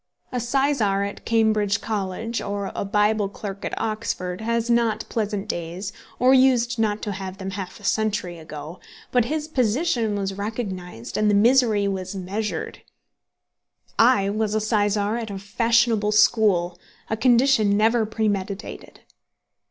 A sizar at a Cambridge college, or a Bible clerk at Oxford, has not pleasant days, or used not to have them half a century ago; but his position was recognised, and the misery was measured. I was a sizar at a fashionable school, a condition never premeditated.